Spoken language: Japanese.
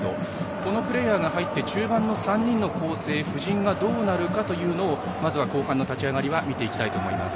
このプレーヤーが入って中盤の３人の構成、布陣がどうなるかを後半の立ち上がり見ていきたいと思います。